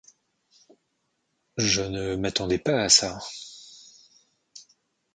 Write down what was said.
Je ne m’attendais pas à ça.